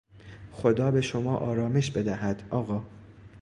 خدا به شما آرامش بدهد، آقا!